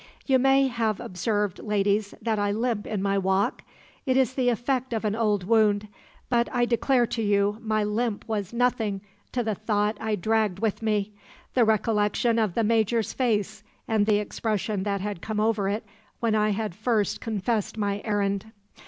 You may have observed, ladies, that I limp in my walk? It is the effect of an old wound. But, I declare to you, my limp was nothing to the thought I dragged with me the recollection of the Major's face and the expression that had come over it when I had first confessed my errand.